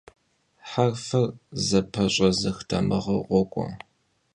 Herfır zepeş'ezıx damığeu khok'ue.